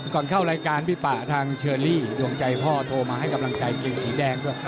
ก่อนเข้ารายการพี่ป่าทางเชอรี่ดวงใจพ่อโทรมาให้กำลังใจเกงสีแดงด้วย